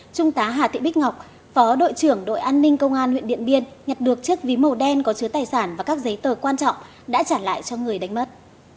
trung tá hà thị bích ngọc phó đội trưởng đội an ninh công an huyện điện biên nhặt được chiếc ví màu đen có chứa tài sản và các giấy tờ quan trọng đã trả lại cho người đánh mất